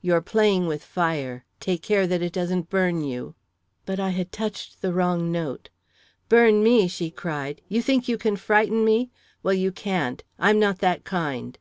You're playing with fire! Take care that it doesn't burn you!" But I had touched the wrong note. "Burn me!" she cried. "You think you can frighten me! Well, you can't! I'm not that kind."